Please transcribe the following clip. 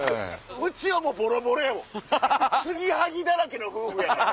うちはボロボロやもん継ぎはぎだらけの夫婦やから。